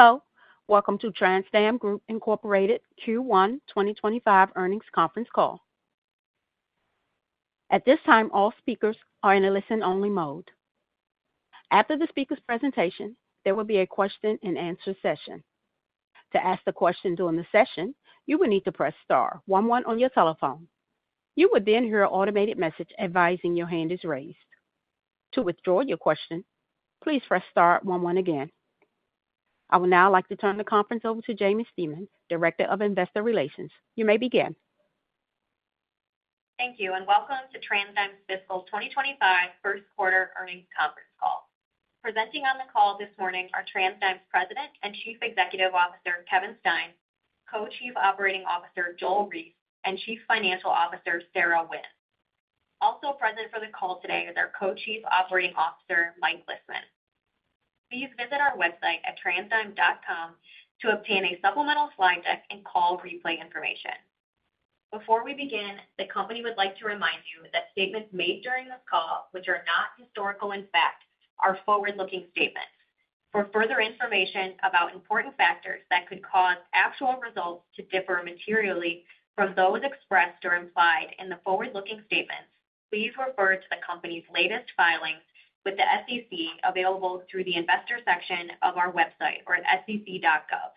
Hello. Welcome to TransDigm Group Incorporated Q1 2025 earnings conference call. At this time, all speakers are in a listen-only mode. After the speaker's presentation, there will be a question-and-answer session. To ask a question during the session, you will need to press star one one on your telephone. You will then hear an automated message advising your hand is raised. To withdraw your question, please press star one one again. I would now like to turn the conference over to Jaimie Stemen, Director of Investor Relations. You may begin. Thank you, and welcome to TransDigm's fiscal 2025 first-quarter earnings conference call. Presenting on the call this morning are TransDigm's President and Chief Executive Officer Kevin Stein, Co-Chief Operating Officer Joel Reiss, and Chief Financial Officer Sarah Wynne. Also present for the call today is our Co-Chief Operating Officer, Mike Lisman. Please visit our website at transdigm.com to obtain a supplemental slide deck and call replay information. Before we begin, the company would like to remind you that statements made during this call, which are not historical in fact, are forward-looking statements. For further information about important factors that could cause actual results to differ materially from those expressed or implied in the forward-looking statements, please refer to the company's latest filings with the SEC available through the investor section of our website or at sec.gov.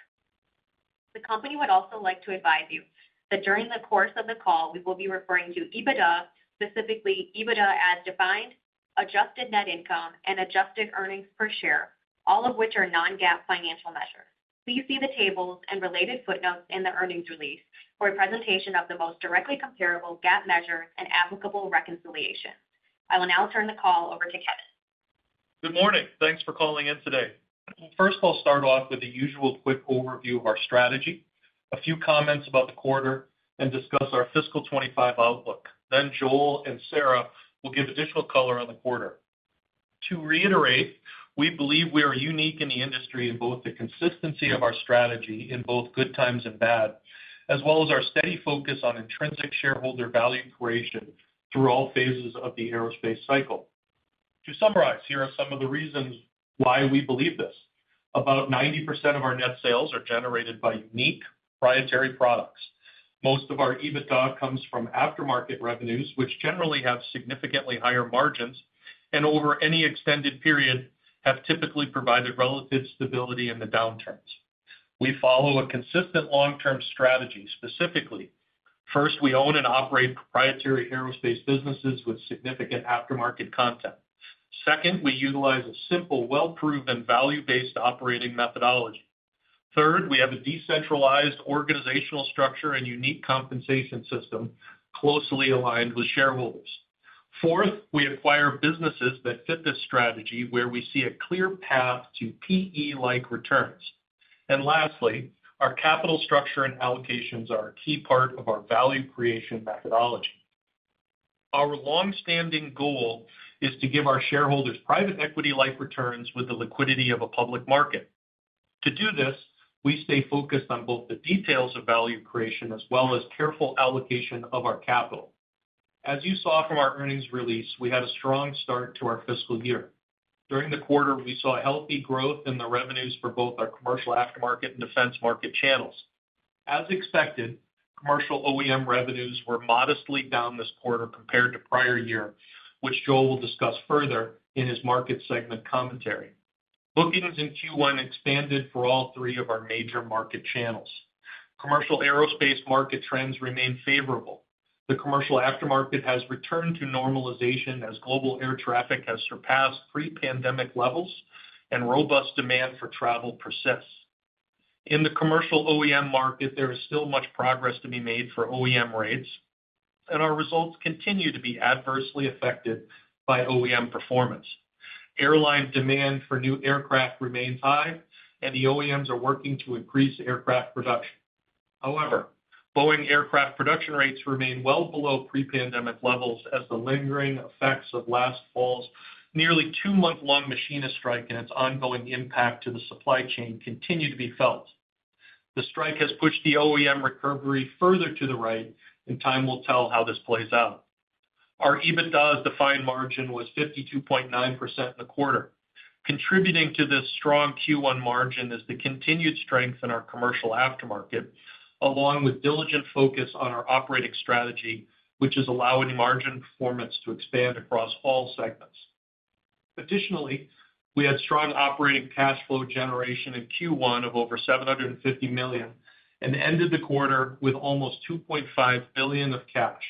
The company would also like to advise you that during the course of the call, we will be referring to EBITDA, specifically EBITDA as defined, adjusted net income, and adjusted earnings per share, all of which are non-GAAP financial measures. Please see the tables and related footnotes in the earnings release for a presentation of the most directly comparable GAAP measures and applicable reconciliation. I will now turn the call over to Kevin. Good morning. Thanks for calling in today. First, I'll start off with the usual quick overview of our strategy, a few comments about the quarter, and discuss our fiscal 2025 outlook. Then Joel and Sarah will give additional color on the quarter. To reiterate, we believe we are unique in the industry in both the consistency of our strategy in both good times and bad, as well as our steady focus on intrinsic shareholder value creation through all phases of the aerospace cycle. To summarize, here are some of the reasons why we believe this: about 90% of our net sales are generated by unique proprietary products. Most of our EBITDA comes from aftermarket revenues, which generally have significantly higher margins and over any extended period have typically provided relative stability in the downturns. We follow a consistent long-term strategy. Specifically, first, we own and operate proprietary aerospace businesses with significant aftermarket content. Second, we utilize a simple, well-proven, value-based operating methodology. Third, we have a decentralized organizational structure and unique compensation system closely aligned with shareholders. Fourth, we acquire businesses that fit this strategy where we see a clear path to PE-like returns. And lastly, our capital structure and allocations are a key part of our value creation methodology. Our long-standing goal is to give our shareholders private equity-like returns with the liquidity of a public market. To do this, we stay focused on both the details of value creation as well as careful allocation of our capital. As you saw from our earnings release, we had a strong start to our fiscal year. During the quarter, we saw healthy growth in the revenues for both our commercial aftermarket and defense market channels. As expected, commercial OEM revenues were modestly down this quarter compared to prior year, which Joel will discuss further in his market segment commentary. Bookings in Q1 expanded for all three of our major market channels. Commercial aerospace market trends remain favorable. The commercial aftermarket has returned to normalization as global air traffic has surpassed pre-pandemic levels and robust demand for travel persists. In the commercial OEM market, there is still much progress to be made for OEM rates, and our results continue to be adversely affected by OEM performance. Airline demand for new aircraft remains high, and the OEMs are working to increase aircraft production. However, Boeing aircraft production rates remain well below pre-pandemic levels as the lingering effects of last fall's nearly two-month-long machinist strike and its ongoing impact to the supply chain continue to be felt. The strike has pushed the OEM recovery further to the right, and time will tell how this plays out. Our EBITDA as defined margin was 52.9% in the quarter. Contributing to this strong Q1 margin is the continued strength in our commercial aftermarket, along with diligent focus on our operating strategy, which is allowing margin performance to expand across all segments. Additionally, we had strong operating cash flow generation in Q1 of over $750 million and ended the quarter with almost $2.5 billion of cash.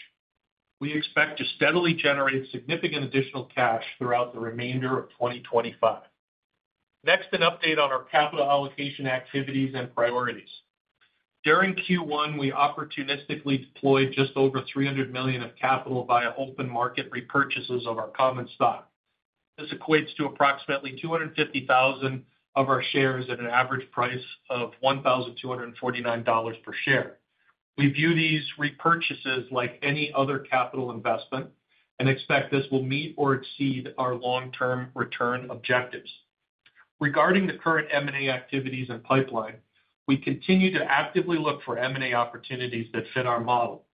We expect to steadily generate significant additional cash throughout the remainder of 2025. Next, an update on our capital allocation activities and priorities. During Q1, we opportunistically deployed just over $300 million of capital via open market repurchases of our common stock. This equates to approximately 250,000 of our shares at an average price of $1,249 per share. We view these repurchases like any other capital investment and expect this will meet or exceed our long-term return objectives. Regarding the current M&A activities and pipeline, we continue to actively look for M&A opportunities that fit our model.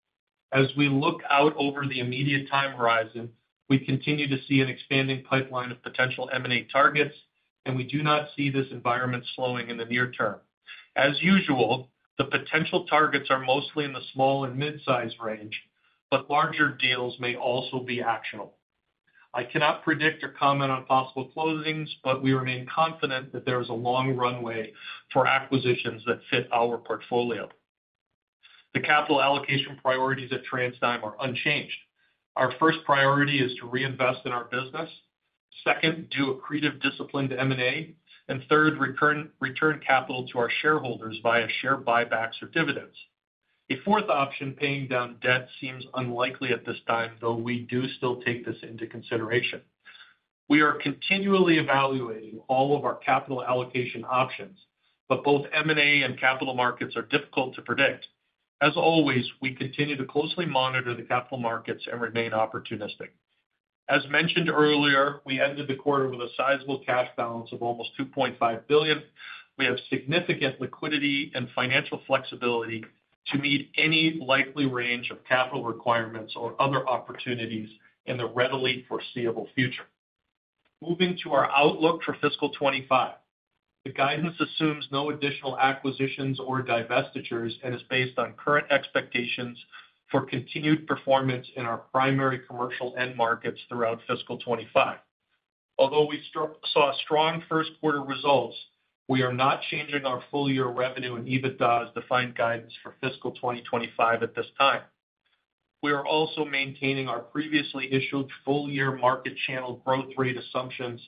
As we look out over the immediate time horizon, we continue to see an expanding pipeline of potential M&A targets, and we do not see this environment slowing in the near term. As usual, the potential targets are mostly in the small and mid-size range, but larger deals may also be actionable. I cannot predict or comment on possible closings, but we remain confident that there is a long runway for acquisitions that fit our portfolio. The capital allocation priorities at TransDigm are unchanged. Our first priority is to reinvest in our business. Second, accretive, disciplined M&A. And third, return capital to our shareholders via share buybacks or dividends. A fourth option, paying down debt, seems unlikely at this time, though we do still take this into consideration. We are continually evaluating all of our capital allocation options, but both M&A and capital markets are difficult to predict. As always, we continue to closely monitor the capital markets and remain opportunistic. As mentioned earlier, we ended the quarter with a sizable cash balance of almost $2.5 billion. We have significant liquidity and financial flexibility to meet any likely range of capital requirements or other opportunities in the readily foreseeable future. Moving to our outlook for fiscal 2025, the guidance assumes no additional acquisitions or divestitures and is based on current expectations for continued performance in our primary commercial end markets throughout fiscal 2025. Although we saw strong first-quarter results, we are not changing our full-year revenue and EBITDA as defined guidance for fiscal 2025 at this time. We are also maintaining our previously issued full-year market channel growth rate assumptions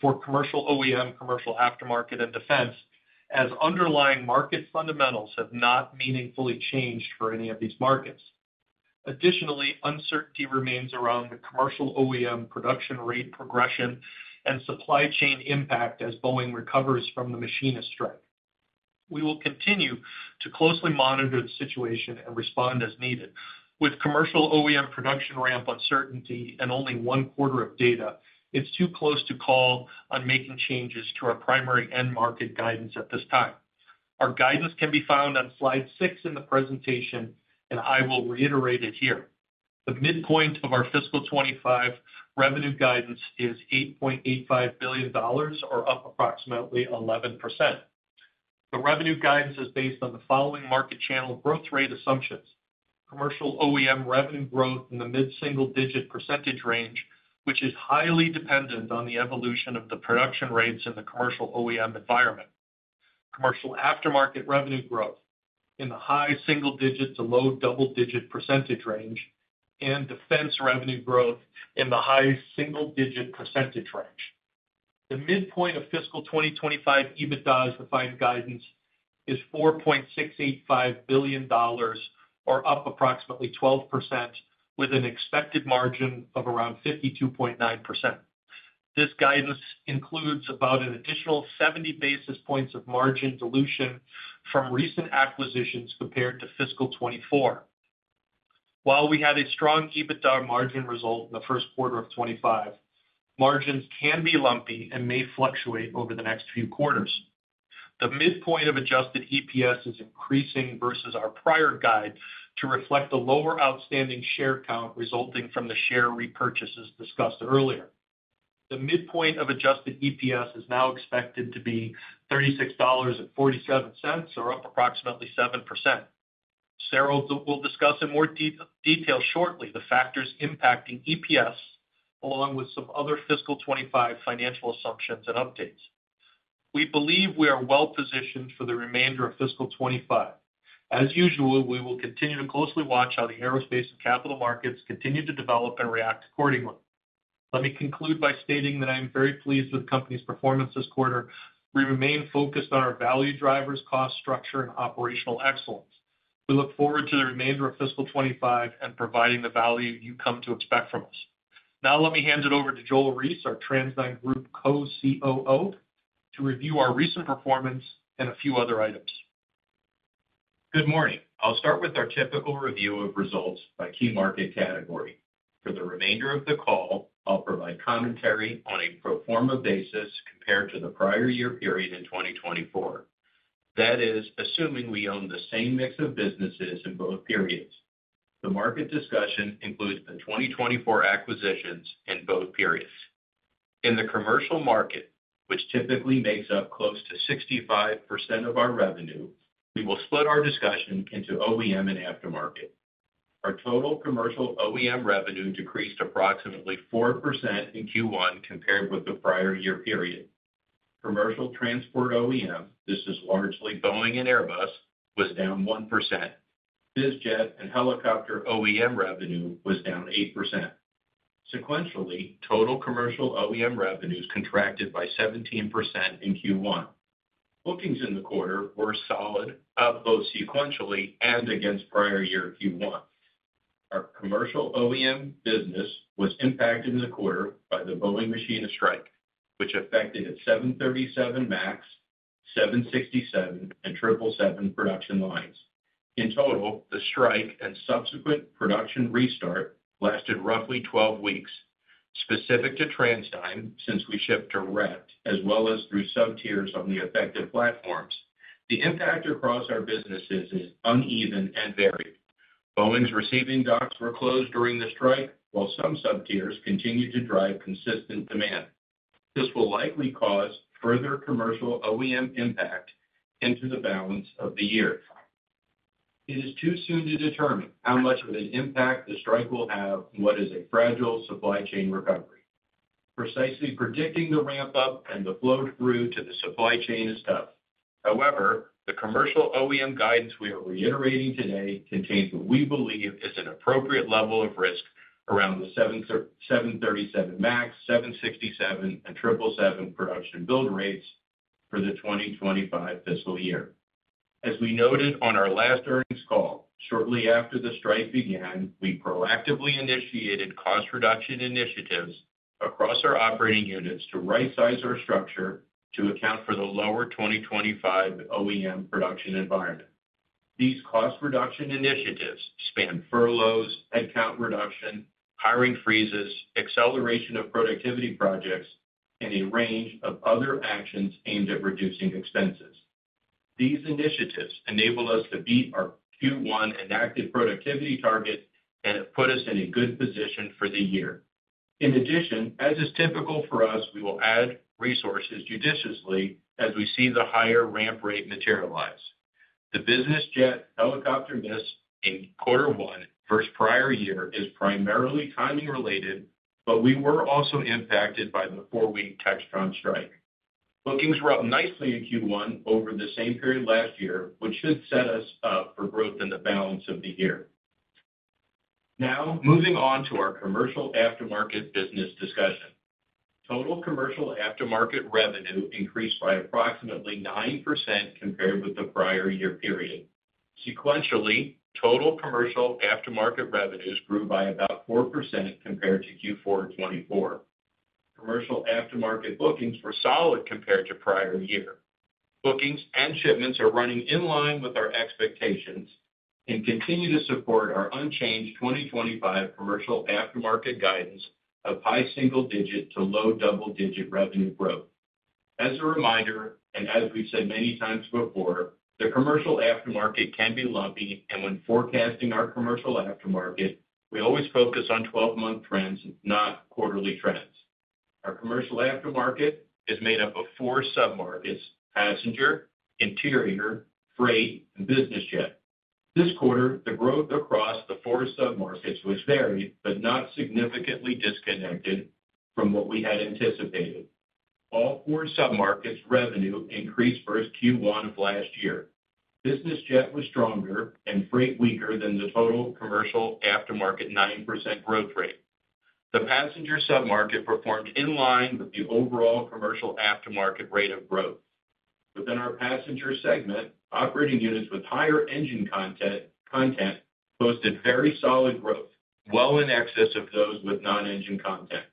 for commercial OEM, commercial aftermarket, and defense as underlying market fundamentals have not meaningfully changed for any of these markets. Additionally, uncertainty remains around the commercial OEM production rate progression and supply chain impact as Boeing recovers from the machinist strike. We will continue to closely monitor the situation and respond as needed. With commercial OEM production ramp uncertainty and only one quarter of data, it's too close to call on making changes to our primary end market guidance at this time. Our guidance can be found on slide six in the presentation, and I will reiterate it here. The midpoint of our fiscal '25 revenue guidance is $8.85 billion, or up approximately 11%. The revenue guidance is based on the following market channel growth rate assumptions: commercial OEM revenue growth in the mid-single-digit percentage range, which is highly dependent on the evolution of the production rates in the commercial OEM environment, commercial aftermarket revenue growth in the high single-digit to low double-digit percentage range, and defense revenue growth in the high single-digit percentage range. The midpoint of fiscal 2025 EBITDA as defined guidance is $4.685 billion, or up approximately 12%, with an expected margin of around 52.9%. This guidance includes about an additional 70 basis points of margin dilution from recent acquisitions compared to fiscal 2024. While we had a strong EBITDA margin result in the first quarter of 2025, margins can be lumpy and may fluctuate over the next few quarters. The midpoint of adjusted EPS is increasing versus our prior guide to reflect the lower outstanding share count resulting from the share repurchases discussed earlier. The midpoint of adjusted EPS is now expected to be $36.47, or up approximately 7%. Sarah will discuss in more detail shortly the factors impacting EPS, along with some other fiscal '25 financial assumptions and updates. We believe we are well-positioned for the remainder of fiscal '25. As usual, we will continue to closely watch how the aerospace and capital markets continue to develop and react accordingly. Let me conclude by stating that I am very pleased with the company's performance this quarter. We remain focused on our value drivers, cost structure, and operational excellence. We look forward to the remainder of fiscal '25 and providing the value you come to expect from us. Now, let me hand it over to Joel Reiss, our TransDigm Group Co-COO, to review our recent performance and a few other items. Good morning. I'll start with our typical review of results by key market category. For the remainder of the call, I'll provide commentary on a pro forma basis compared to the prior year period in 2024. That is, assuming we own the same mix of businesses in both periods. The market discussion includes the 2024 acquisitions in both periods. In the commercial market, which typically makes up close to 65% of our revenue, we will split our discussion into OEM and aftermarket. Our total commercial OEM revenue decreased approximately 4% in Q1 compared with the prior year period. Commercial transport OEM, this is largely Boeing and Airbus, was down 1%. Bizjet and helicopter OEM revenue was down 8%. Sequentially, total commercial OEM revenues contracted by 17% in Q1. Bookings in the quarter were solid, both sequentially and against prior year Q1. Our commercial OEM business was impacted in the quarter by the Boeing machinist strike, which affected its 737 MAX, 767, and 777 production lines. In total, the strike and subsequent production restart lasted roughly 12 weeks. Specific to TransDigm, since we shipped direct as well as through sub-tiers on the affected platforms, the impact across our businesses is uneven and varied. Boeing's receiving docks were closed during the strike, while some sub-tiers continued to drive consistent demand. This will likely cause further commercial OEM impact into the balance of the year. It is too soon to determine how much of an impact the strike will have on what is a fragile supply chain recovery. Precisely predicting the ramp-up and the flow through to the supply chain is tough. However, the commercial OEM guidance we are reiterating today contains what we believe is an appropriate level of risk around the 737 MAX, 767, and 777 production build rates for the 2025 fiscal year. As we noted on our last earnings call, shortly after the strike began, we proactively initiated cost reduction initiatives across our operating units to right-size our structure to account for the lower 2025 OEM production environment. These cost reduction initiatives span furloughs, headcount reduction, hiring freezes, acceleration of productivity projects, and a range of other actions aimed at reducing expenses. These initiatives enable us to beat our Q1 enacted productivity target and put us in a good position for the year. In addition, as is typical for us, we will add resources judiciously as we see the higher ramp rate materialize. The business jet helicopter miss in quarter one versus prior year is primarily timing-related, but we were also impacted by the four-week Textron strike. Bookings were up nicely in Q1 over the same period last year, which should set us up for growth in the balance of the year. Now, moving on to our commercial aftermarket business discussion. Total commercial aftermarket revenue increased by approximately 9% compared with the prior year period. Sequentially, total commercial aftermarket revenues grew by about 4% compared to Q4 2024. Commercial aftermarket bookings were solid compared to prior year. Bookings and shipments are running in line with our expectations and continue to support our unchanged 2025 commercial aftermarket guidance of high single-digit to low double-digit revenue growth. As a reminder, and as we've said many times before, the commercial aftermarket can be lumpy, and when forecasting our commercial aftermarket, we always focus on 12-month trends, not quarterly trends. Our commercial aftermarket is made up of four submarkets: passenger, interior, freight, and business jet. This quarter, the growth across the four submarkets was varied, but not significantly disconnected from what we had anticipated. All four submarkets' revenue increased versus Q1 of last year. Business jet was stronger and freight weaker than the total commercial aftermarket 9% growth rate. The passenger submarket performed in line with the overall commercial aftermarket rate of growth. Within our passenger segment, operating units with higher engine content posted very solid growth, well in excess of those with non-engine content.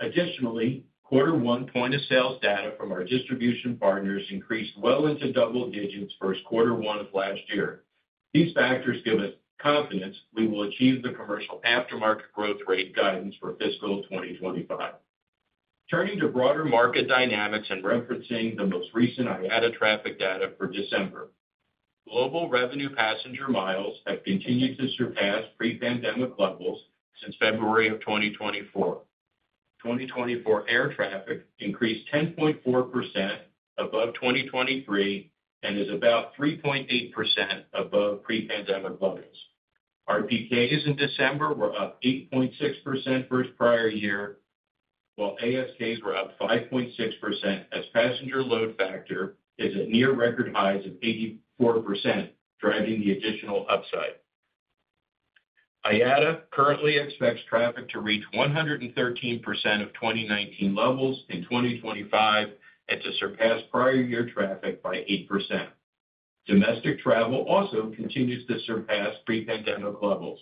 Additionally, quarter one point of sales data from our distribution partners increased well into double digits versus quarter one of last year. These factors give us confidence we will achieve the commercial aftermarket growth rate guidance for fiscal 2025. Turning to broader market dynamics and referencing the most recent IATA traffic data for December, global revenue passenger miles have continued to surpass pre-pandemic levels since February of 2024. 2024 air traffic increased 10.4% above 2023 and is about 3.8% above pre-pandemic levels. RPKs in December were up 8.6% versus prior year, while ASKs were up 5.6% as passenger load factor is at near record highs of 84%, driving the additional upside. IATA currently expects traffic to reach 113% of 2019 levels in 2025 and to surpass prior year traffic by 8%. Domestic travel also continues to surpass pre-pandemic levels.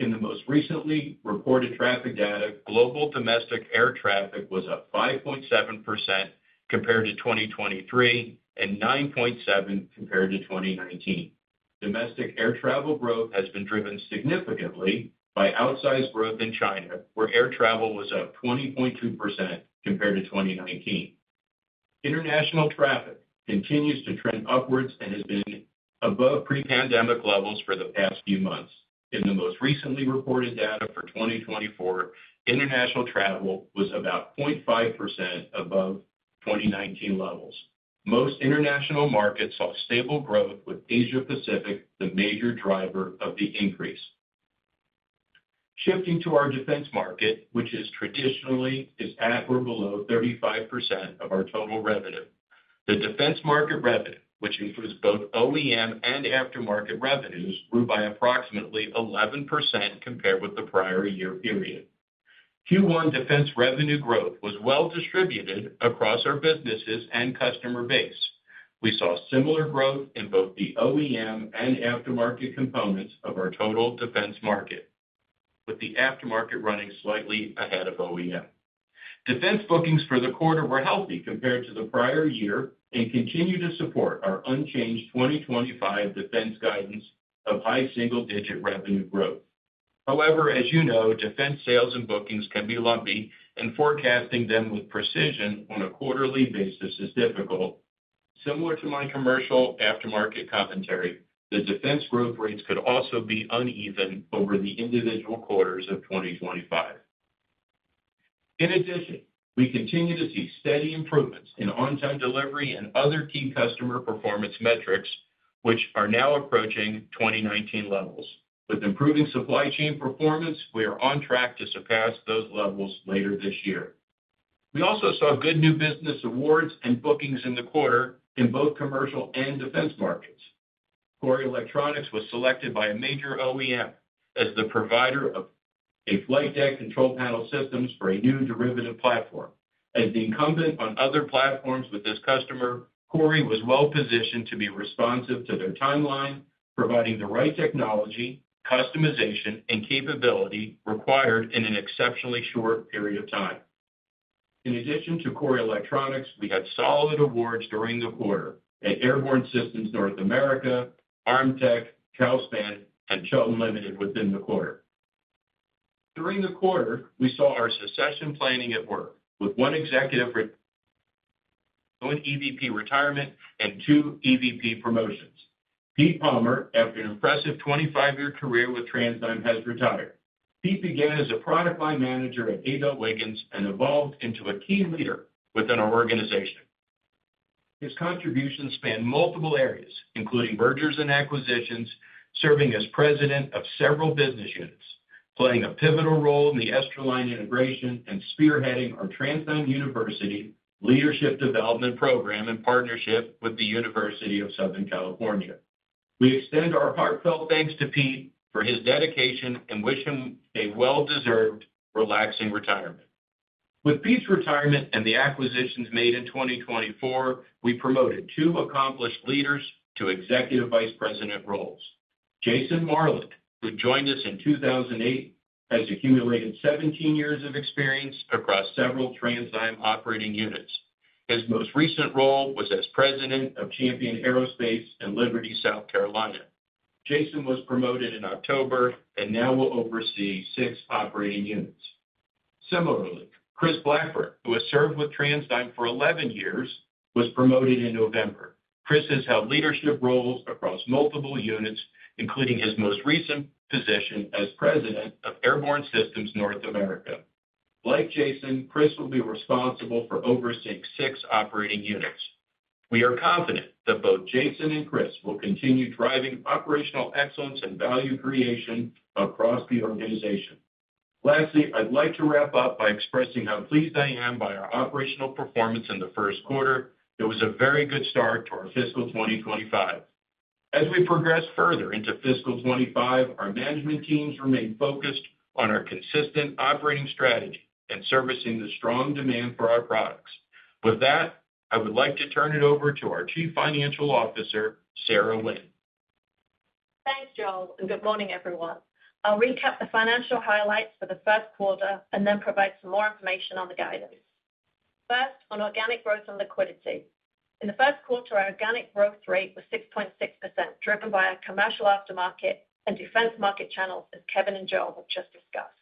In the most recently reported traffic data, global domestic air traffic was up 5.7% compared to 2023 and 9.7% compared to 2019. Domestic air travel growth has been driven significantly by outsized growth in China, where air travel was up 20.2% compared to 2019. International traffic continues to trend upwards and has been above pre-pandemic levels for the past few months. In the most recently reported data for 2024, international travel was about 0.5% above 2019 levels. Most international markets saw stable growth, with Asia-Pacific the major driver of the increase. Shifting to our defense market, which traditionally is at or below 35% of our total revenue. The defense market revenue, which includes both OEM and aftermarket revenues, grew by approximately 11% compared with the prior year period. Q1 defense revenue growth was well-distributed across our businesses and customer base. We saw similar growth in both the OEM and aftermarket components of our total defense market, with the aftermarket running slightly ahead of OEM. Defense bookings for the quarter were healthy compared to the prior year and continue to support our unchanged 2025 defense guidance of high single-digit revenue growth. However, as you know, defense sales and bookings can be lumpy, and forecasting them with precision on a quarterly basis is difficult. Similar to my commercial aftermarket commentary, the defense growth rates could also be uneven over the individual quarters of 2025. In addition, we continue to see steady improvements in on-time delivery and other key customer performance metrics, which are now approaching 2019 levels. With improving supply chain performance, we are on track to surpass those levels later this year. We also saw good new business awards and bookings in the quarter in both commercial and defense markets. Korry Electronics was selected by a major OEM as the provider of a flight deck control panel systems for a new derivative platform. As the incumbent on other platforms with this customer, Korry was well-positioned to be responsive to their timeline, providing the right technology, customization, and capability required in an exceptionally short period of time. In addition to Korry Electronics, we had solid awards during the quarter at Airborne Systems North America, Armtec, Calspan, and Chelton Limited within the quarter. During the quarter, we saw our succession planning at work, with one executive with one EVP retirement and two EVP promotions. Pete Palmer, after an impressive 25-year career with TransDigm, has retired. Pete began as a product line manager at AdelWiggins and evolved into a key leader within our organization. His contributions span multiple areas, including mergers and acquisitions, serving as president of several business units, playing a pivotal role in the Esterline integration and spearheading our TransDigm University leadership development program in partnership with the University of Southern California. We extend our heartfelt thanks to Pete for his dedication and wish him a well-deserved relaxing retirement. With Pete's retirement and the acquisitions made in 2024, we promoted two accomplished leaders to executive vice president roles. Jason Marlett, who joined us in 2008, has accumulated 17 years of experience across several TransDigm operating units. His most recent role was as president of Champion Aerospace in Liberty, South Carolina. Jason was promoted in October and now will oversee six operating units. Similarly, Chris Blackford, who has served with TransDigm for 11 years, was promoted in November. Chris has held leadership roles across multiple units, including his most recent position as president of Airborne Systems North America. Like Jason, Chris will be responsible for overseeing six operating units. We are confident that both Jason and Chris will continue driving operational excellence and value creation across the organization. Lastly, I'd like to wrap up by expressing how pleased I am by our operational performance in the first quarter. It was a very good start to our fiscal 2025. As we progress further into fiscal '25, our management teams remain focused on our consistent operating strategy and servicing the strong demand for our products. With that, I would like to turn it over to our Chief Financial Officer, Sarah Wynne. Thanks, Joel, and good morning, everyone. I'll recap the financial highlights for the first quarter and then provide some more information on the guidance. First, on organic growth and liquidity. In the first quarter, our organic growth rate was 6.6%, driven by our commercial aftermarket and defense market channels, as Kevin and Joel have just discussed.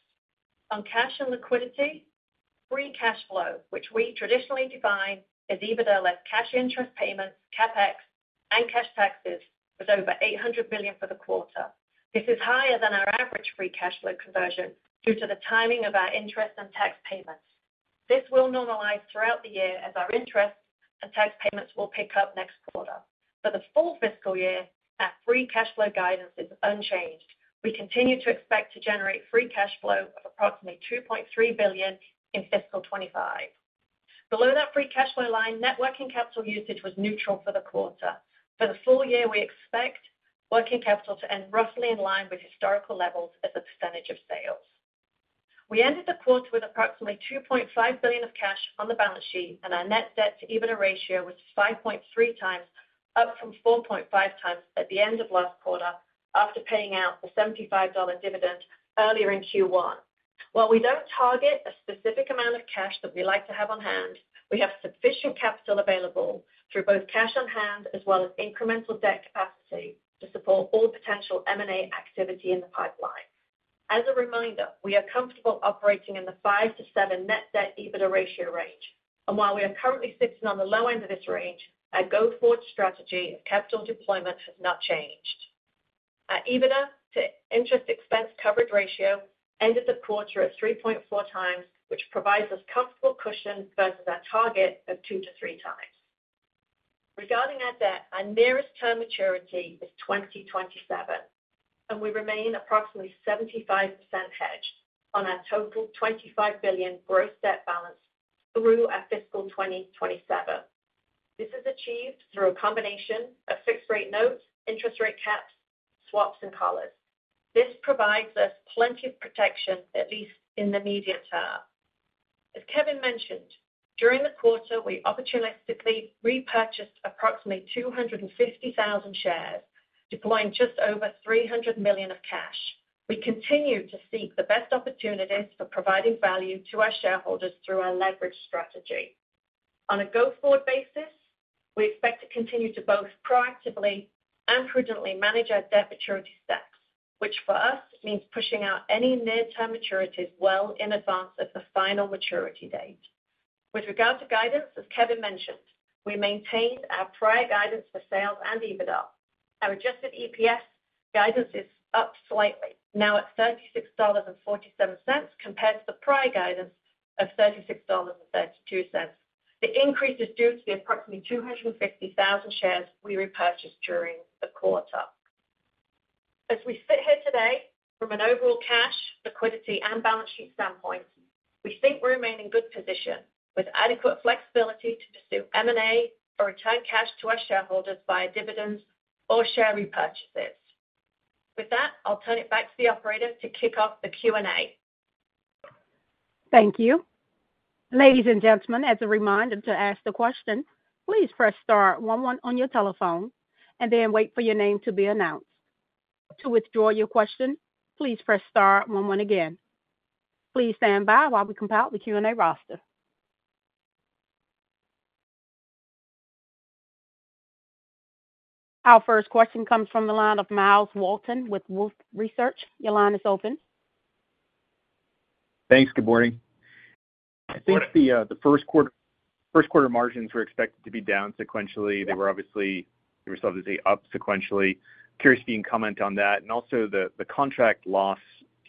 On cash and liquidity, free cash flow, which we traditionally define as EBITDA less cash interest payments, CapEx, and cash taxes, was over $800 million for the quarter. This is higher than our average free cash flow conversion due to the timing of our interest and tax payments. This will normalize throughout the year as our interest and tax payments will pick up next quarter. For the full fiscal year, our free cash flow guidance is unchanged. We continue to expect to generate free cash flow of approximately $2.3 billion in fiscal 2025. Below that free cash flow line, net working capital usage was neutral for the quarter. For the full year, we expect working capital to end roughly in line with historical levels as a percentage of sales. We ended the quarter with approximately $2.5 billion of cash on the balance sheet, and our net debt-to-EBITDA ratio was 5.3x, up from 4.5x at the end of last quarter after paying out the $75 dividend earlier in Q1. While we don't target a specific amount of cash that we like to have on hand, we have sufficient capital available through both cash on hand as well as incremental debt capacity to support all potential M&A activity in the pipeline. As a reminder, we are comfortable operating in the 5-7 net debt-to-EBITDA ratio range. And while we are currently sitting on the low end of this range, our go-forward strategy of capital deployment has not changed. Our EBITDA to interest expense coverage ratio ended the quarter at 3.4 times, which provides us comfortable cushion versus our target of 2-3x. Regarding our debt, our nearest term maturity is 2027, and we remain approximately 75% hedged on our total $25 billion gross debt balance through our fiscal 2027. This is achieved through a combination of fixed-rate notes, interest rate caps, swaps, and collars. This provides us plenty of protection, at least in the medium term. As Kevin mentioned, during the quarter, we opportunistically repurchased approximately 250,000 shares, deploying just over $300 million of cash. We continue to seek the best opportunities for providing value to our shareholders through our leverage strategy. On a go-forward basis, we expect to continue to both proactively and prudently manage our debt maturity steps, which for us means pushing out any near-term maturities well in advance of the final maturity date. With regard to guidance, as Kevin mentioned, we maintained our prior guidance for sales and EBITDA. Our adjusted EPS guidance is up slightly, now at $36.47 compared to the prior guidance of $36.32. The increase is due to the approximately 250,000 shares we repurchased during the quarter. As we sit here today, from an overall cash, liquidity, and balance sheet standpoint, we think we remain in good position with adequate flexibility to pursue M&A or return cash to our shareholders via dividends or share repurchases. With that, I'll turn it back to the operator to kick off the Q&A. Thank you. Ladies and gentlemen, as a reminder to ask the question, please press star one one on your telephone and then wait for your name to be announced. To withdraw your question, please press star one one again. Please stand by while we compile the Q&A roster. Our first question comes from the line of Myles Walton with Wolfe Research. Your line is open. Thanks. Good morning. I think the first quarter margins were expected to be down sequentially. They were obviously up sequentially. Curious if you can comment on that. And also, the contract loss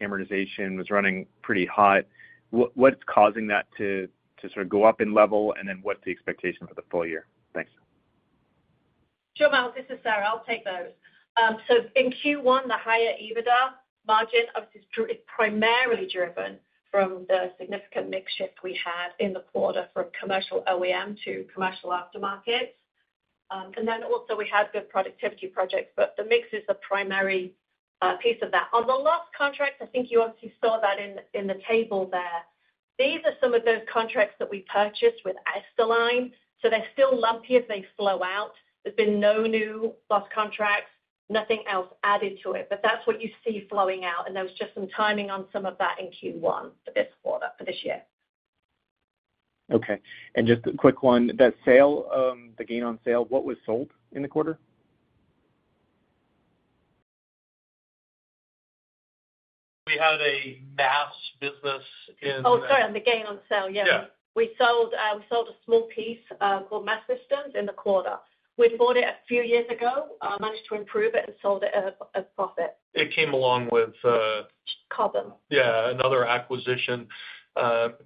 amortization was running pretty hot. What's causing that to sort of go up in level, and then what's the expectation for the full year? Thanks. Sure, Myles. This is Sarah. I'll take those. So in Q1, the higher EBITDA margin is primarily driven from the significant mix shift we had in the quarter from commercial OEM to commercial aftermarket. And then also, we had good productivity projects, but the mix is the primary piece of that. On the loss contracts, I think you obviously saw that in the table there. These are some of those contracts that we purchased with Esterline. So they're still lumpy as they flow out. There's been no new loss contracts, nothing else added to it. But that's what you see flowing out. And there was just some timing on some of that in Q1 for this quarter, for this year. Okay. And just a quick one, the gain on sale, what was sold in the quarter? We had a Mast business in. Oh, sorry, on the gain on sale, yeah. We sold a small piece called Mastsystem in the quarter. We bought it a few years ago, managed to improve it, and sold it at a profit. It came along with Cobham. Yeah, another acquisition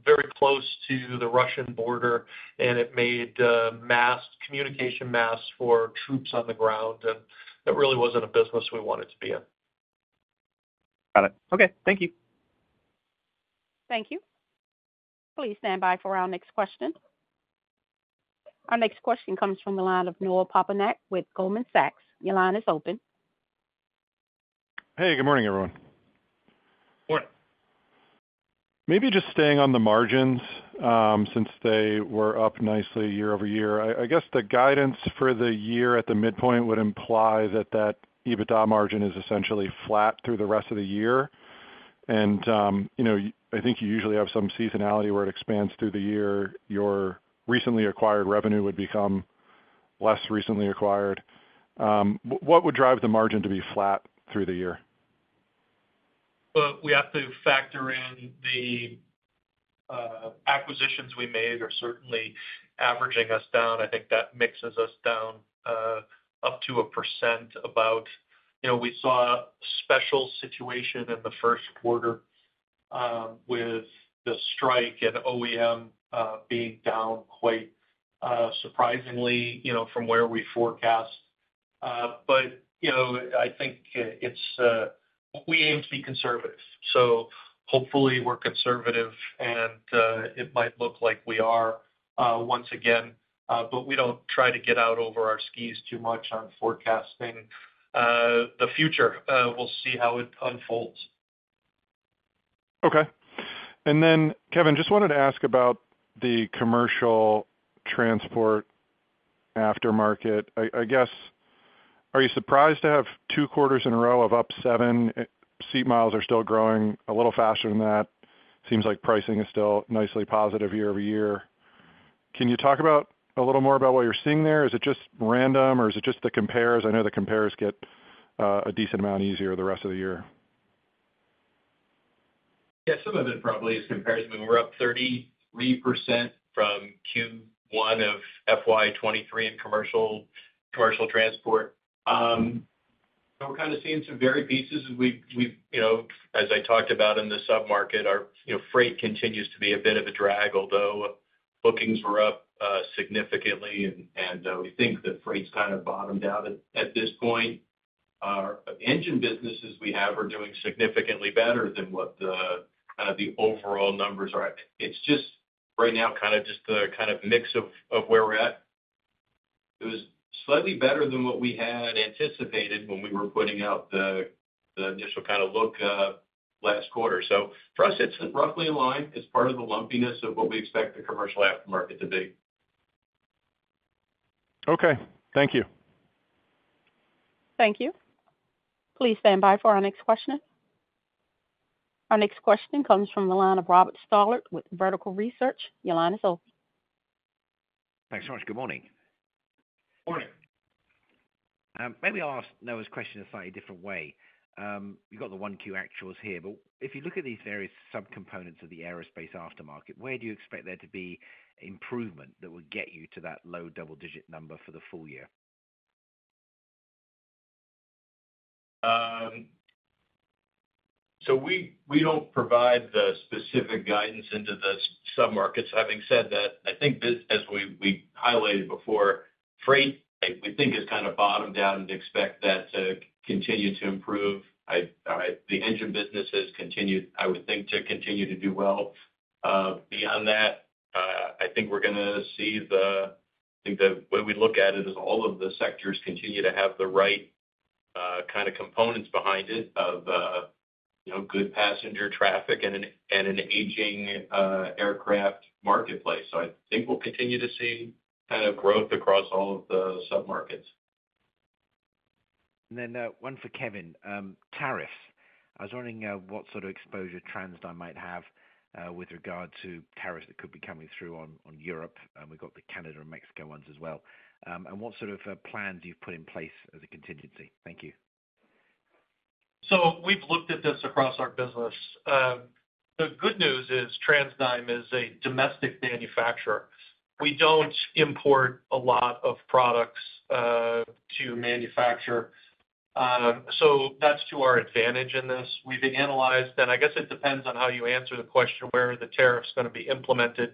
very close to the Russian border, and it made communication masts for troops on the ground. And it really wasn't a business we wanted to be in. Got it. Okay. Thank you. Thank you. Please stand by for our next question. Our next question comes from the line of Noah Poponak with Goldman Sachs. Your line is open. Hey, good morning, everyone. Morning. Maybe just staying on the margins since they were up nicely year-over-year. I guess the guidance for the year at the midpoint would imply that the EBITDA margin is essentially flat through the rest of the year. And I think you usually have some seasonality where it expands through the year. Your recently acquired revenue would become less recently acquired. What would drive the margin to be flat through the year? Well, we have to factor in the acquisitions we made are certainly averaging us down. I think that mixes us down up to about 1%. We saw a special situation in the first quarter with the strike and OEM being down quite surprisingly from where we forecast. But I think we aim to be conservative. So hopefully, we're conservative, and it might look like we are once again. But we don't try to get out over our skis too much on forecasting the future. We'll see how it unfolds. Okay. And then, Kevin, just wanted to ask about the commercial transport aftermarket. I guess, are you surprised to have two quarters in a row of up 7%? Seat miles are still growing a little faster than that. Seems like pricing is still nicely positive year-over-year. Can you talk a little more about what you're seeing there? Is it just random, or is it just the compares? I know the compares get a decent amount easier the rest of the year. Yeah, some of it probably is compares. I mean, we're up 33% from Q1 of FY23 in commercial transport. So we're kind of seeing some varied pieces. As I talked about in the submarket, our freight continues to be a bit of a drag, although bookings were up significantly, and we think the freight's kind of bottomed out at this point. Our engine businesses we have are doing significantly better than what the overall numbers are. It's just right now kind of just the kind of mix of where we're at. It was slightly better than what we had anticipated when we were putting out the initial kind of look last quarter. So for us, it's roughly in line. It's part of the lumpiness of what we expect the commercial aftermarket to be. Okay. Thank you. Thank you. Please stand by for our next question. Our next question comes from the line of Robert Stallard with Vertical Research. Your line is open. Thanks so much. Good morning. Morning. Maybe I'll ask Noah's question in a slightly different way. You've got the one Q actuals here. But if you look at these various subcomponents of the aerospace aftermarket, where do you expect there to be improvement that will get you to that low double-digit number for the full year? So we don't provide the specific guidance into the submarkets. Having said that, I think, as we highlighted before, freight, we think, has kind of bottomed out and expect that to continue to improve. The engine business has continued, I would think, to continue to do well. Beyond that, I think we're going to see. I think the way we look at it is all of the sectors continue to have the right kind of components behind it of good passenger traffic and an aging aircraft marketplace. So I think we'll continue to see kind of growth across all of the submarkets. And then one for Kevin, tariffs. I was wondering what sort of exposure trends I might have with regard to tariffs that could be coming through on Europe. We've got the Canada and Mexico ones as well. And what sort of plans you've put in place as a contingency? Thank you. So we've looked at this across our business. The good news is TransDigm is a domestic manufacturer. We don't import a lot of products to manufacture. So that's to our advantage in this. We've analyzed, and I guess it depends on how you answer the question, where the tariff's going to be implemented.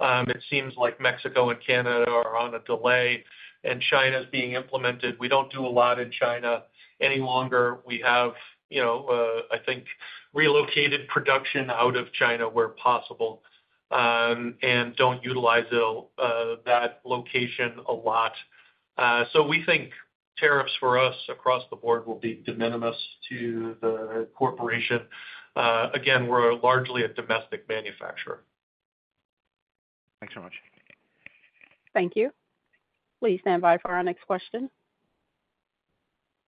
It seems like Mexico and Canada are on a delay, and China's being implemented. We don't do a lot in China any longer. We have, I think, relocated production out of China where possible and don't utilize that location a lot. So we think tariffs for us across the board will be de minimis to the corporation. Again, we're largely a domestic manufacturer. Thanks so much. Thank you. Please stand by for our next question.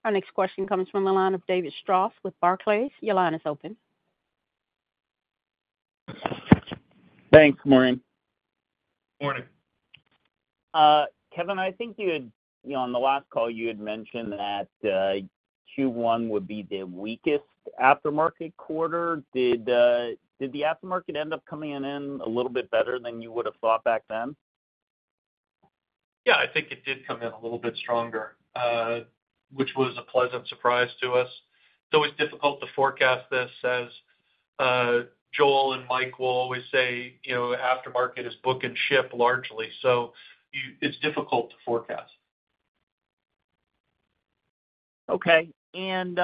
Our next question comes from the line of David Strauss with Barclays. Your line is open. Thanks. Good morning. Morning. Kevin, I think on the last call, you had mentioned that Q1 would be the weakest aftermarket quarter. Did the aftermarket end up coming in a little bit better than you would have thought back then? Yeah, I think it did come in a little bit stronger, which was a pleasant surprise to us. It's always difficult to forecast this, as Joel and Mike will always say, "Aftermarket is book and ship largely." So it's difficult to forecast. Okay. And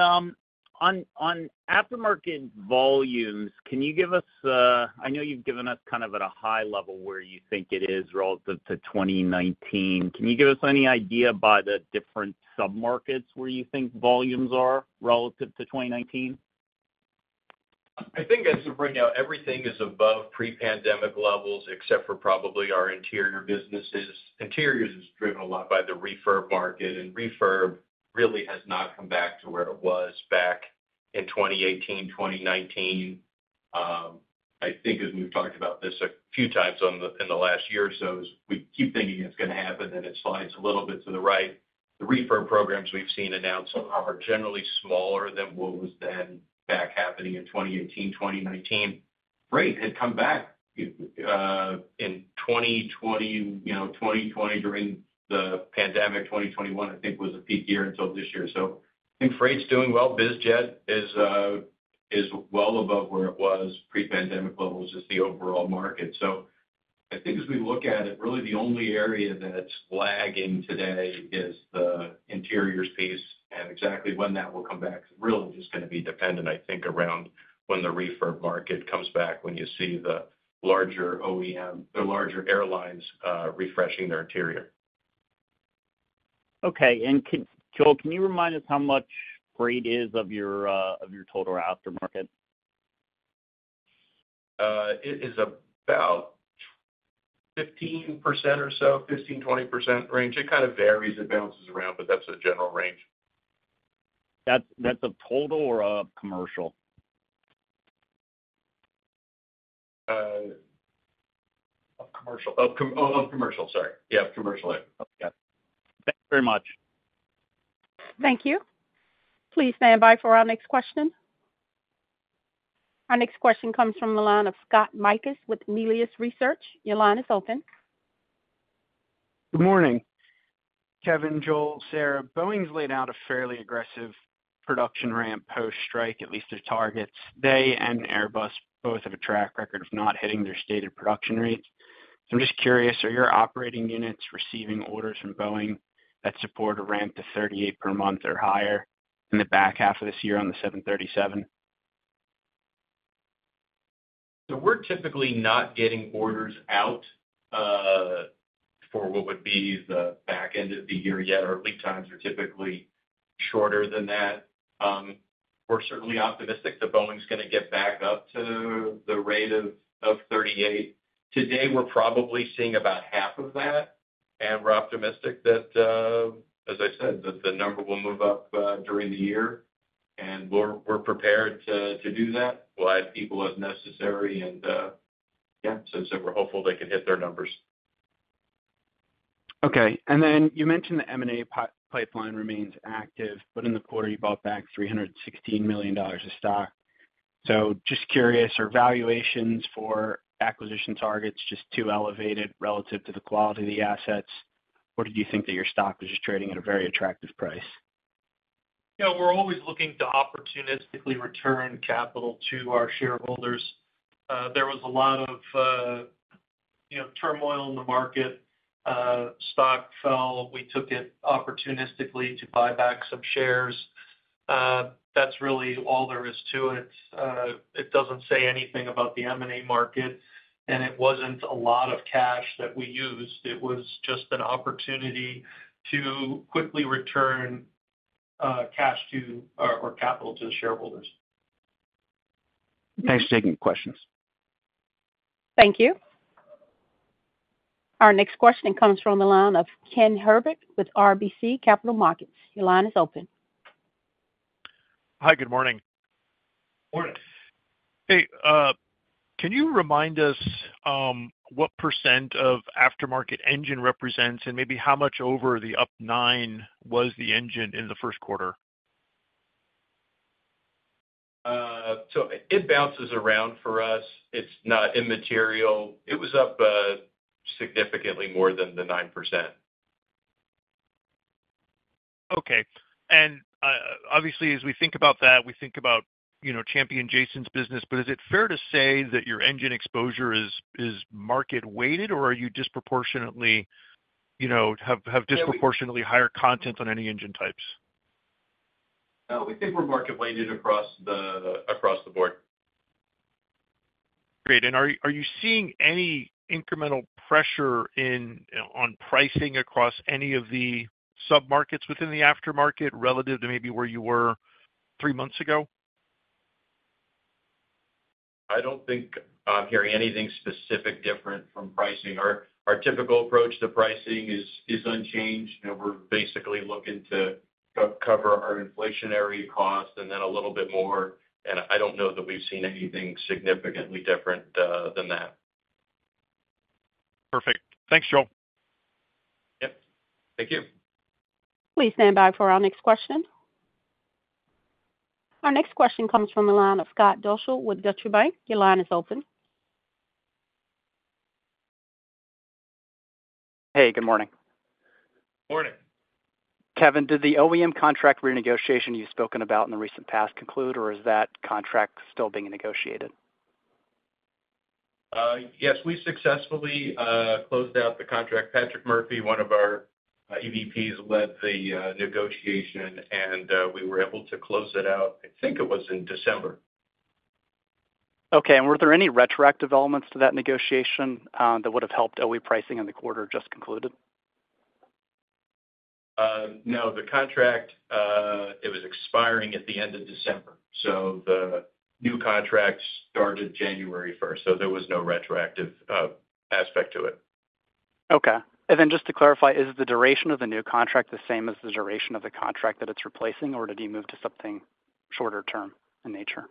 on aftermarket volumes, can you give us, I know you've given us kind of at a high level where you think it is relative to 2019. Can you give us any idea by the different submarkets where you think volumes are relative to 2019? I think as of right now, everything is above pre-pandemic levels, except for probably our interior businesses. Interiors is driven a lot by the refurb market, and refurb really has not come back to where it was back in 2018, 2019. I think, as we've talked about this a few times in the last year or so, is we keep thinking it's going to happen, and it slides a little bit to the right. The refurb programs we've seen announced are generally smaller than what was then back happening in 2018, 2019. Freight had come back in 2020. 2020, during the pandemic, 2021, I think, was a peak year until this year. So I think freight's doing well. Bizjet is well above where it was. Pre-pandemic levels is the overall market. So I think as we look at it, really the only area that's lagging today is the interiors piece, and exactly when that will come back is really just going to be dependent, I think, around when the refurb market comes back, when you see the larger OEM, the larger airlines refreshing their interior. Okay. And Joel, can you remind us how much freight is of your total aftermarket? It is about 15% or so, 15%-20% range. It kind of varies. It bounces around, but that's a general range. That's a total or a commercial? A commercial. Oh, a commercial. Sorry. Yeah, a commercial. Yeah. Thanks very much. Thank you. Please stand by for our next question. Our next question comes from the line of Scott Mikus with Melius Research. Your line is open. Good morning. Kevin, Joel, Sarah. Boeing's laid out a fairly aggressive production ramp post-strike, at least their targets. They and Airbus both have a track record of not hitting their stated production rates. So I'm just curious, are your operating units receiving orders from Boeing that support a ramp to 38 per month or higher in the back half of this year on the 737? So we're typically not getting orders out for what would be the back end of the year yet. Our lead times are typically shorter than that. We're certainly optimistic that Boeing's going to get back up to the rate of 38. Today, we're probably seeing about half of that. We're optimistic that, as I said, that the number will move up during the year. We're prepared to do that. We'll add people as necessary. Yeah, so we're hopeful they can hit their numbers. Okay. Then you mentioned the M&A pipeline remains active, but in the quarter, you bought back $316 million of stock. So just curious, are valuations for acquisition targets just too elevated relative to the quality of the assets? Or did you think that your stock was just trading at a very attractive price? Yeah, we're always looking to opportunistically return capital to our shareholders. There was a lot of turmoil in the market. Stock fell. We took it opportunistically to buy back some shares. That's really all there is to it. It doesn't say anything about the M&A market. It wasn't a lot of cash that we used. It was just an opportunity to quickly return cash or capital to the shareholders. Thanks for taking the questions. Thank you. Our next question comes from the line of Ken Herbert with RBC Capital Markets. Your line is open. Hi, good morning. Morning. Hey, can you remind us what percent of aftermarket engine represents and maybe how much over the up 9% was the engine in the first quarter? So it bounces around for us. It's not immaterial. It was up significantly more than the 9%. Okay. And obviously, as we think about that, we think about Champion, Jason's business. But is it fair to say that your engine exposure is market-weighted, or are you disproportionately have higher content on any engine types? We think we're market-weighted across the board. Great. Are you seeing any incremental pressure on pricing across any of the submarkets within the aftermarket relative to maybe where you were three months ago? I don't think I'm hearing anything specific different from pricing. Our typical approach to pricing is unchanged. We're basically looking to cover our inflationary costs and then a little bit more. And I don't know that we've seen anything significantly different than that. Perfect. Thanks, Joel. Yep. Thank you. Please stand by for our next question. Our next question comes from the line of Scott Deuschle with Deutsche Bank. Your line is open. Hey, good morning. Morning. Kevin, did the OEM contract renegotiation you've spoken about in the recent past conclude, or is that contract still being negotiated? Yes, we successfully closed out the contract. Patrick Murphy, one of our EVPs, led the negotiation, and we were able to close it out. I think it was in December. Okay. And were there any retroactive elements to that negotiation that would have helped OE pricing in the quarter just concluded? No. The contract, it was expiring at the end of December. So the new contract started January 1st. So there was no retroactive aspect to it. Okay. And then just to clarify, is the duration of the new contract the same as the duration of the contract that it's replacing, or did you move to something shorter term in nature?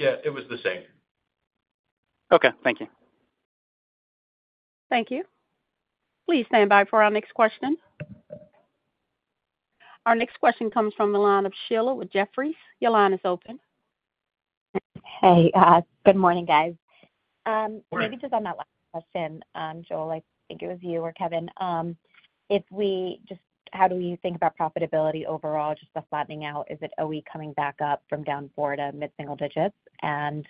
Yeah, it was the same. Okay. Thank you. Thank you. Please stand by for our next question. Our next question comes from the line of Sihui Li with Jefferies. Your line is open. Hey, good morning, guys. Maybe just on that last question, Joel, I think it was you or Kevin. How do we think about profitability overall, just the flattening out? Is it OEM coming back up from down 4% to mid-single digits? And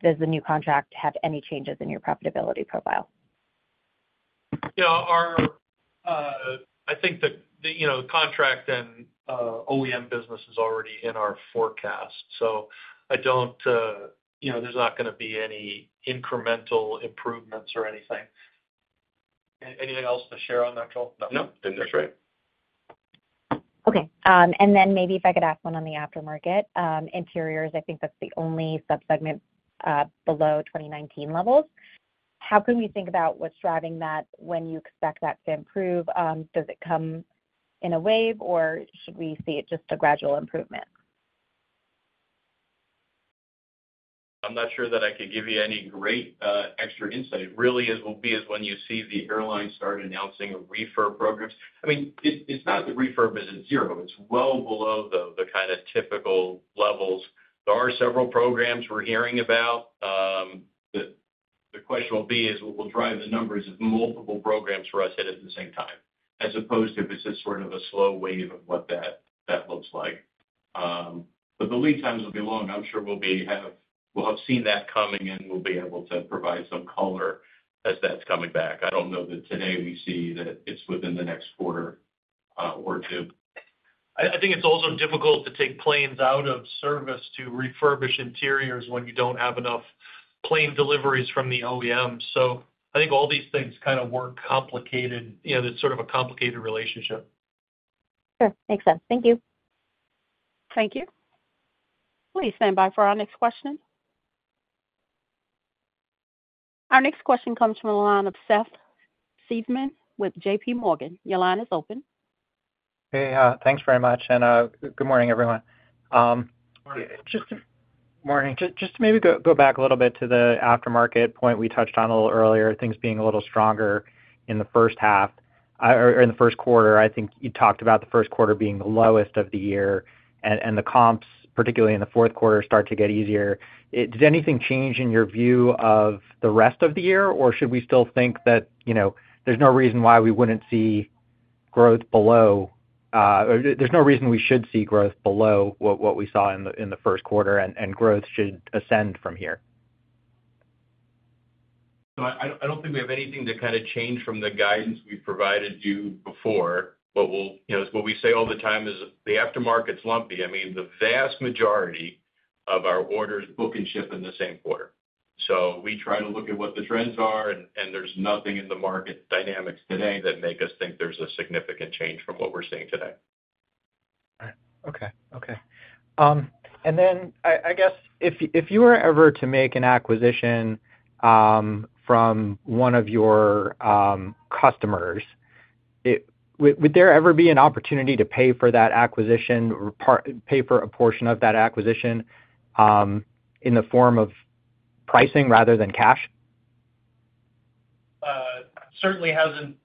does the new contract have any changes in your profitability profile? Yeah, I think the contract and OEM business is already in our forecast. So I don't. There's not going to be any incremental improvements or anything. Anything else to share on that, Joel? No, I think that's right. Okay. And then maybe if I could ask one on the aftermarket interiors, I think that's the only subsegment below 2019 levels. How can we think about what's driving that when you expect that to improve? Does it come in a wave, or should we see it just a gradual improvement? I'm not sure that I could give you any great extra insight. It really will be when you see the airlines start announcing refurb programs. I mean, it's not that refurb isn't zero. It's well below the kind of typical levels. There are several programs we're hearing about. The question will be: will it drive the numbers of multiple programs for us at the same time, as opposed to if it's just sort of a slow wave of what that looks like? But the lead times will be long. I'm sure we'll have seen that coming, and we'll be able to provide some color as that's coming back. I don't know that today we see that it's within the next quarter or two. I think it's also difficult to take planes out of service to refurbish interiors when you don't have enough plane deliveries from the OEM. So I think all these things kind of work complicated. It's sort of a complicated relationship. Sure. Makes sense. Thank you. Thank you. Please stand by for our next question. Our next question comes from the line of Seth Seifman with J.P. Morgan. Your line is open. Hey, thanks very much and good morning, everyone. Morning. Just to maybe go back a little bit to the aftermarket point we touched on a little earlier, things being a little stronger in the first half or in the first quarter. I think you talked about the first quarter being the lowest of the year, and the comps, particularly in the fourth quarter, start to get easier. Did anything change in your view of the rest of the year, or should we still think that there's no reason why we wouldn't see growth below? There's no reason we should see growth below what we saw in the first quarter, and growth should ascend from here? So I don't think we have anything to kind of change from the guidance we've provided you before. But what we say all the time is the aftermarket's lumpy. I mean, the vast majority of our orders book and ship in the same quarter. So we try to look at what the trends are, and there's nothing in the market dynamics today that makes us think there's a significant change from what we're seeing today. Right. Okay. Okay. And then I guess if you were ever to make an acquisition from one of your customers, would there ever be an opportunity to pay for that acquisition, pay for a portion of that acquisition in the form of pricing rather than cash? Certainly hasn't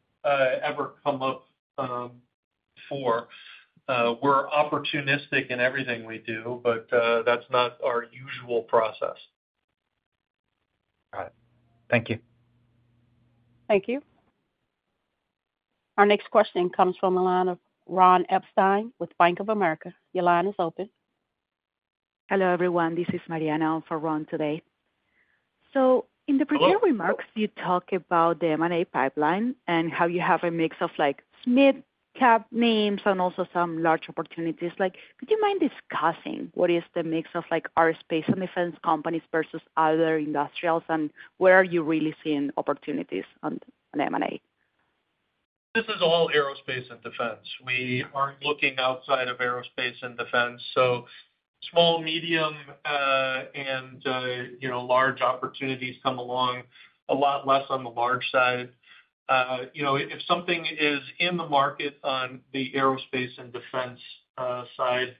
ever come up before. We're opportunistic in everything we do, but that's not our usual process. Got it. Thank you. Thank you. Our next question comes from the line of Ron Epstein with Bank of America. Your line is open. Hello, everyone. This is Mariana for Ron today. In the prepared remarks, you talk about the M&A pipeline and how you have a mix of mid-cap names and also some large opportunities. Would you mind discussing what is the mix of aerospace and defense companies versus other industrials, and where are you really seeing opportunities on M&A? This is all aerospace and defense. We aren't looking outside of aerospace and defense. Small, medium, and large opportunities come along a lot less on the large side. If something is in the market on the aerospace and defense side,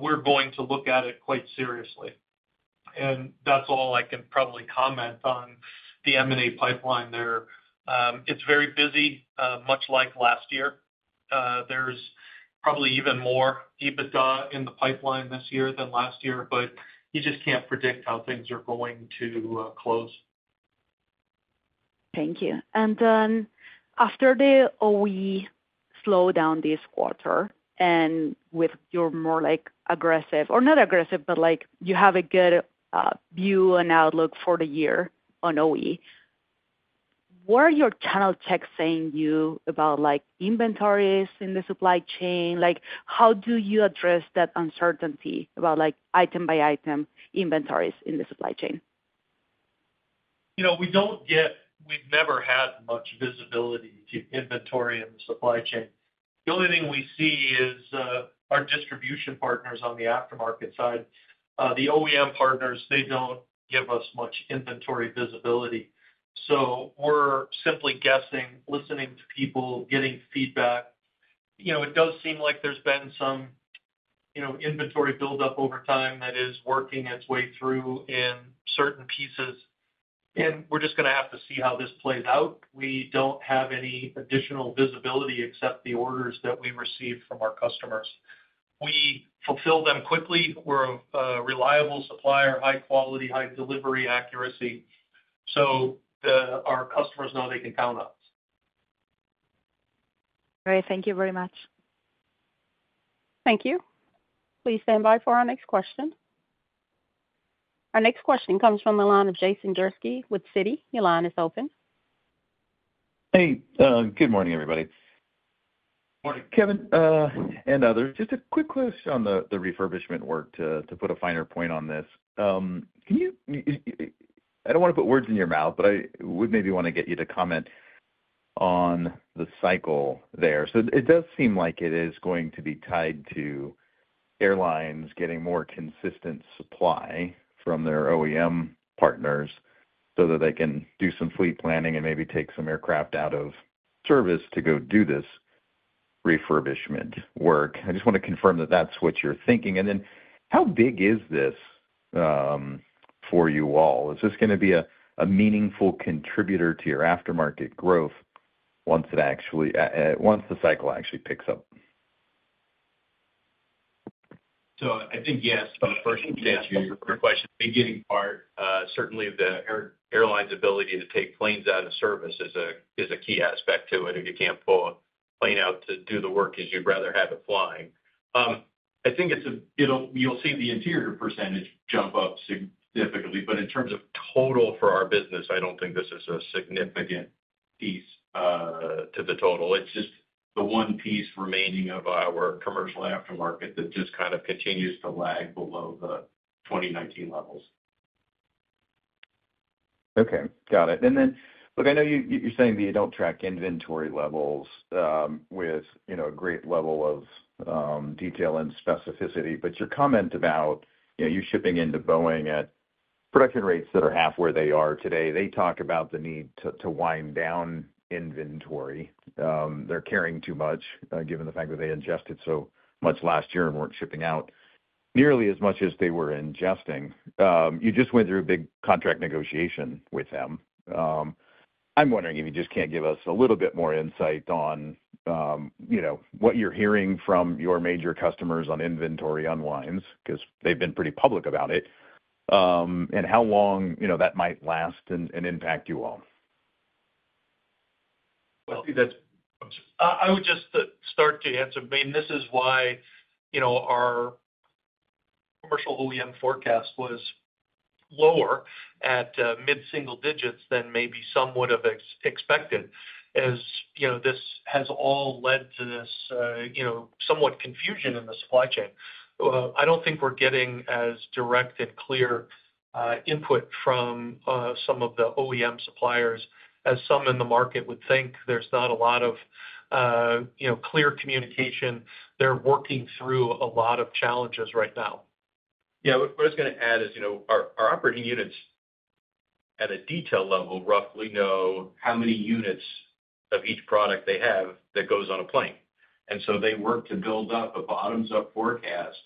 we're going to look at it quite seriously. That's all I can probably comment on the M&A pipeline there. It's very busy, much like last year. There's probably even more EBITDA in the pipeline this year than last year, but you just can't predict how things are going to close. Thank you. After the OE slowed down this quarter and with your more aggressive or not aggressive, but you have a good view and outlook for the year on OE, what are your channel checks saying to you about inventories in the supply chain? How do you address that uncertainty about item-by-item inventories in the supply chain? We don't get. We've never had much visibility to inventory in the supply chain. The only thing we see is our distribution partners on the aftermarket side. The OEM partners, they don't give us much inventory visibility. So we're simply guessing, listening to people, getting feedback. It does seem like there's been some inventory buildup over time that is working its way through in certain pieces. We're just going to have to see how this plays out. We don't have any additional visibility except the orders that we receive from our customers. We fulfill them quickly. We're a reliable supplier, high quality, high delivery accuracy. So our customers know they can count on us. Great. Thank you very much. Thank you. Please stand by for our next question. Our next question comes from the line of Jason Gursky with Citi. Your line is open. Hey, good morning, everybody. Morning. Kevin and others, just a quick question on the refurbishment work to put a finer point on this. I don't want to put words in your mouth, but I would maybe want to get you to comment on the cycle there. So it does seem like it is going to be tied to airlines getting more consistent supply from their OEM partners so that they can do some fleet planning and maybe take some aircraft out of service to go do this refurbishment work. I just want to confirm that that's what you're thinking. And then how big is this for you all? Is this going to be a meaningful contributor to your aftermarket growth once the cycle actually picks up? So I think yes. So the first answer to your question, the beginning part, certainly the airline's ability to take planes out of service is a key aspect to it. If you can't pull a plane out to do the work, you'd rather have it flying. I think you'll see the interior percentage jump up significantly. But in terms of total for our business, I don't think this is a significant piece to the total. It's just the one piece remaining of our commercial aftermarket that just kind of continues to lag below the 2019 levels. Okay. Got it. And then, look, I know you're saying that you don't track inventory levels with a great level of detail and specificity, but your comment about you shipping into Boeing at production rates that are half where they are today, they talk about the need to wind down inventory. They're carrying too much given the fact that they ingested so much last year and weren't shipping out nearly as much as they were ingesting. You just went through a big contract negotiation with them. I'm wondering if you just can't give us a little bit more insight on what you're hearing from your major customers on inventory unwinds because they've been pretty public about it, and how long that might last and impact you all? Well, I would just start to answer. I mean, this is why our commercial OEM forecast was lower at mid-single digits than maybe some would have expected, as this has all led to this somewhat confusion in the supply chain. I don't think we're getting as direct and clear input from some of the OEM suppliers as some in the market would think. There's not a lot of clear communication. They're working through a lot of challenges right now. Yeah. What I was going to add is our operating units at a detail level, roughly know how many units of each product they have that goes on a plane, and so they work to build up a bottoms-up forecast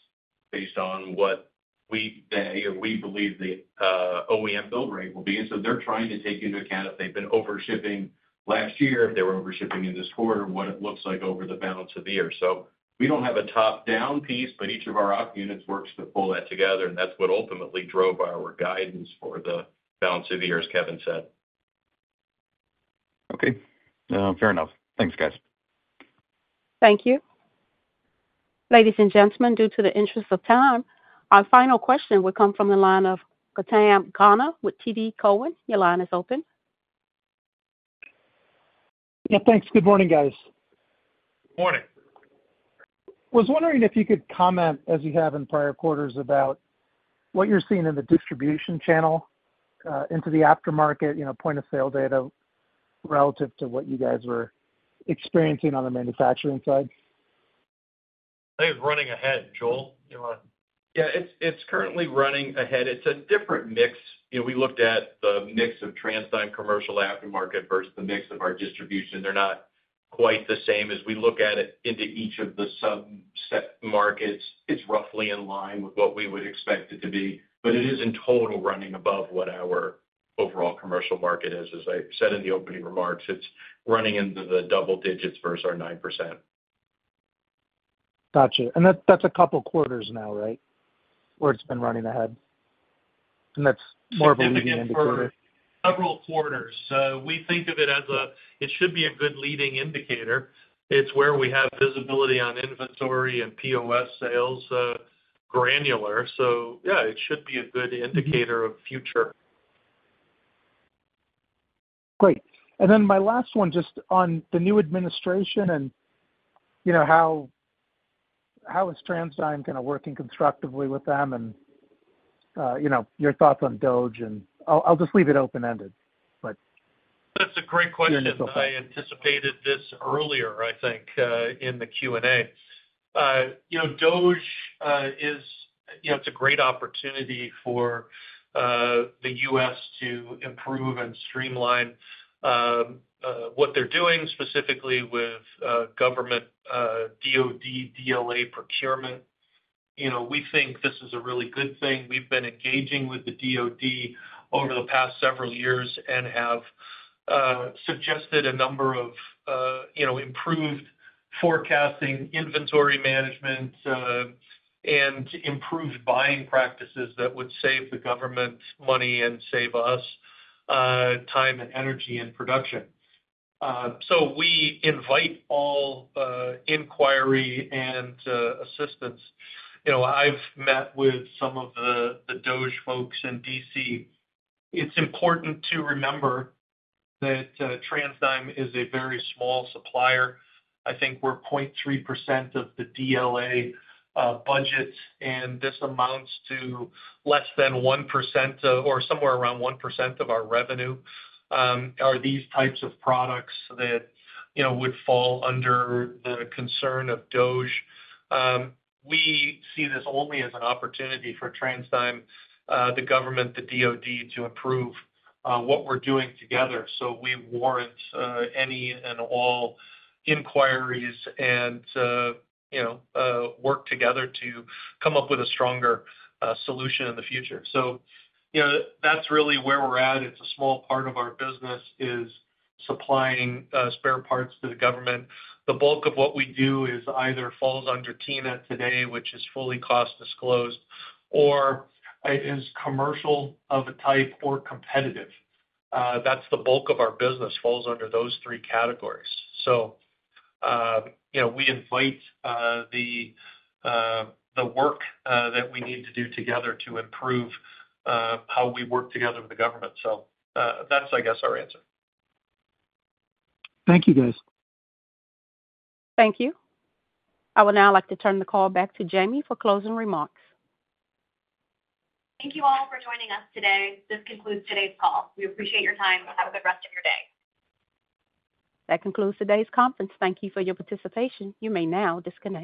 based on what we believe the OEM build rate will be. And so they're trying to take into account if they've been overshipping last year, if they were overshipping in this quarter, what it looks like over the balance of the year. So we don't have a top-down piece, but each of our op units works to pull that together, and that's what ultimately drove our guidance for the balance of the year, as Kevin said. Okay. Fair enough. Thanks, guys. Thank you. Ladies and gentlemen, due to the interest of time, our final question will come from the line of Gautam Khanna with TD Cowen. Your line is open. Yeah. Thanks. Good morning, guys. Morning. I was wondering if you could comment, as you have in prior quarters, about what you're seeing in the distribution channel into the aftermarket, point-of-sale data relative to what you guys were experiencing on the manufacturing side. I think it's running ahead, Joel. Yeah. It's currently running ahead. It's a different mix. We looked at the mix of TransDigm commercial aftermarket versus the mix of our distribution. They're not quite the same. As we look at it into each of the subset markets, it's roughly in line with what we would expect it to be. But it is in total running above what our overall commercial market is. As I said in the opening remarks, it's running into the double digits versus our 9%. Gotcha. And that's a couple of quarters now, right, where it's been running ahead? And that's more of a leading indicator. Several quarters. So we think of it as a—it should be a good leading indicator. It's where we have visibility on inventory and POS sales, granular. So yeah, it should be a good indicator of future. Great. Then my last one just on the new administration and how is TransDigm going to work constructively with them and your thoughts on DOGE? I'll just leave it open-ended, but. That's a great question. I anticipated this earlier, I think, in the Q&A. DOGE is. It's a great opportunity for the U.S. to improve and streamline what they're doing, specifically with government DoD DLA procurement. We think this is a really good thing. We've been engaging with the DoD over the past several years and have suggested a number of improved forecasting, inventory management, and improved buying practices that would save the government money and save us time and energy in production. So we invite all inquiry and assistance. I've met with some of the DOGE folks in D.C. It's important to remember that TransDigm is a very small supplier. I think we're 0.3% of the DLA budget, and this amounts to less than 1% or somewhere around 1% of our revenue are these types of products that would fall under the concern of DOGE. We see this only as an opportunity for TransDigm, the government, the DoD, to improve what we're doing together. So we warrant any and all inquiries and work together to come up with a stronger solution in the future. So that's really where we're at. It's a small part of our business is supplying spare parts to the government. The bulk of what we do either falls under TINA today, which is fully cost-disclosed, or it is commercial of a type or competitive. That's the bulk of our business falls under those three categories. So we invite the work that we need to do together to improve how we work together with the government. So that's, I guess, our answer. Thank you, guys. Thank you. I would now like to turn the call back to Jaimie for closing remarks. Thank you all for joining us today. This concludes today's call. We appreciate your time. Have a good rest of your day. That concludes today's conference. Thank you for your participation. You may now disconnect.